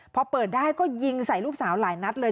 พอเปิดได้ก็ยิงใส่ลูกสาวหลายนัดเลย